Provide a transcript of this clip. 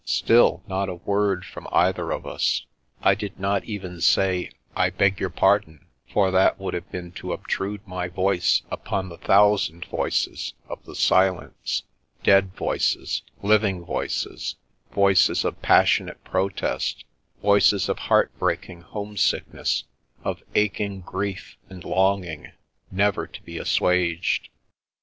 Still, not a word from either of us. I did not even say, " I beg your pardon," for that would have been to obtrude my voice upon the thousand voices of the Silence; dead voices, living voices ; voices of passionate protest, voices of heart breaking homesickness, of aching grief and longing, never to be assuaged.